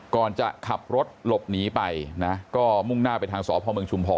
ก่อนจะขับรถหลบหนีไปนะก็มุ่งหน้าไปทางสพเมืองชุมพร